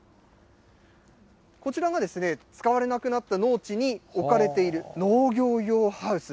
こちらが使われなくなった農地に置かれている農業用ハウス。